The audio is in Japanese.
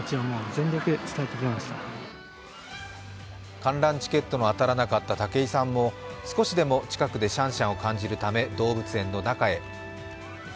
観覧チケットの当たらなかった武井さんも、少しでも近くでシャンシャンを感じるため動物園の中へ。